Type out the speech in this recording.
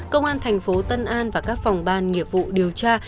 công an tp tân an và các phòng ban nghiệp vụ điều tra